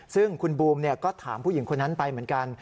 ซึ่งคุณบูมก็ถามผู้หญิงคนนั้นไปเหมือนกัน